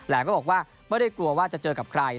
แล้วก็บอกว่าไม่ได้กลัวว่าจะเจอกับใคร